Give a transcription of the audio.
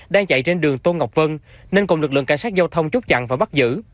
đang chạy trên đường tôn ngọc vân nên cùng lực lượng cảnh sát giao thông chút chặn và bắt giữ